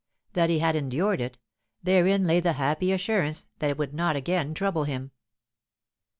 That he had endured it, therein lay the happy assurance that it would not again trouble him.